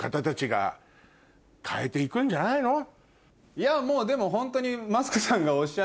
いやでもホントに。